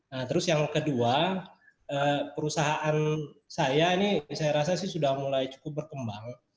nah terus yang kedua perusahaan saya ini saya rasa sih sudah mulai cukup berkembang